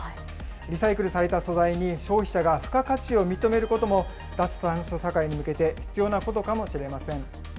リサイクルされた素材に消費者が付加価値を認めることも、脱炭素社会に向けて必要なことかもしれません。